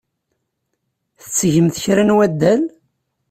Tettgemt kra n waddal?